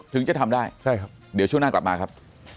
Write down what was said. ถึงจะทำได้ใช่ครับเดี๋ยวช่วงหน้ากลับมาครับ